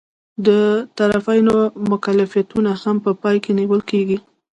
د طرفینو مکلفیتونه هم په پام کې نیول کیږي.